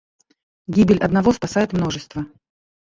Гибель одного спасает множество.